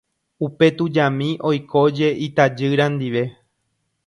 Upe tujami oikóje itajýra ndive.